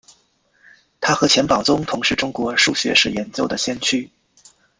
他和钱宝琮同是中国数学史研究的先驱。